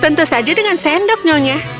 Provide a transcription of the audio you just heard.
tentu saja dengan sendoknya